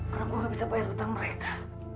karena gue gak bisa bayar hutang mereka